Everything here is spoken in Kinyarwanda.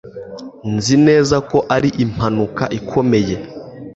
Nzi neza ko ari impanuka ikomeye.